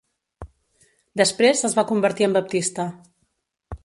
Després es va convertir en baptista.